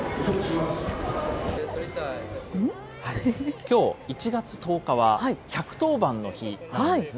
きょう１月１０日は、１１０番の日なんですね。